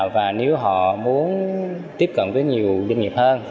và nếu họ muốn tiếp cận với nhiều doanh nghiệp hơn